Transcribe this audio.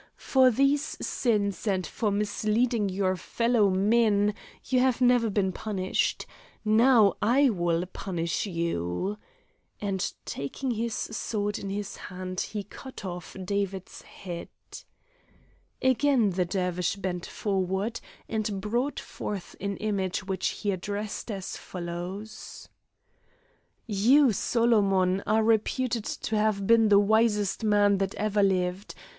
For these sins and for misleading your fellowmen you have never been punished. Now I will punish you," and taking his sword in his hand he cut off David's head. Again the Dervish bent forward and brought forth an image which he addressed as follows: "You, Solomon, are reputed to have been the wisest man that ever lived.